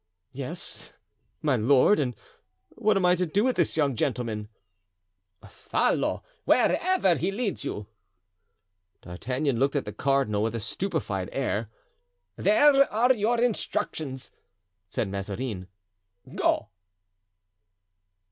"Yes, my lord; and what am I to do with this young gentleman?" "Follow wherever he leads you." D'Artagnan looked at the cardinal with a stupefied air. "There are your instructions," said Mazarin; "go!"